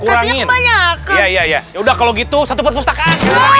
hai kurangin banyak iya ya udah kalau gitu satu perpustakaan